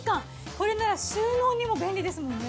これなら収納にも便利ですもんね。